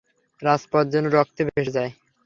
রাজপথ যেন রক্তে ভেসে যায়।